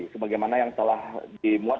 sebagaimana yang telah dimuat